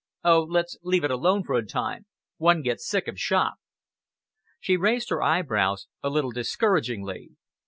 "Oh, let's leave it alone for a time! One gets sick of shop." She raised her eyebrows a little discouragingly.